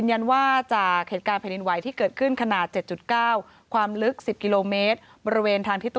สอบถามจากท่านผอเพียงเท่านี้นะคะ